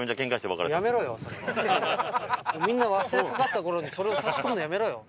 みんな忘れかかった頃にそれを差し込むのやめろよ。